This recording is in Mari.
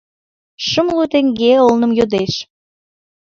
Шымлу теҥге олным йодеш.